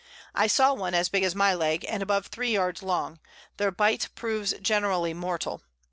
I saw one as big as my Leg, and above 3 Yards long; their Bite proves generally mortal.